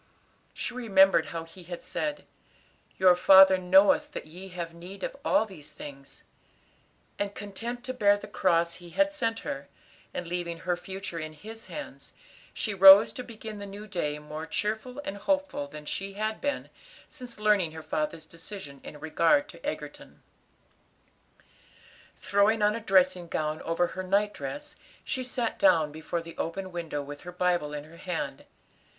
She remembered how He had said, "Your Father knoweth that ye have need of all these things," and, content to bear the cross He had sent her, and leave her future in His hands, she rose to begin the new day more cheerful and hopeful than she had been since learning her father's decision in regard to Egerton. Throwing on a dressing gown over her night dress, she sat down before the open window with her Bible in her hand.